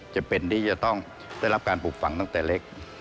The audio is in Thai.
จำเป็นที่จะต้องได้รับการปลูกฝังตั้งแต่เล็ก